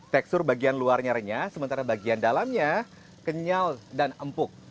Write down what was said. tekstur bagian luarnya renyah sementara bagian dalamnya kenyal dan empuk